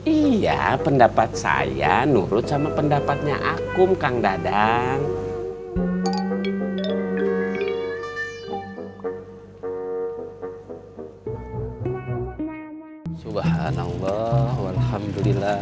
iya pendapat saya nurut sama pendapatnya aku kang dadang